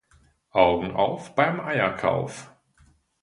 Augen auf beim Eierkauf.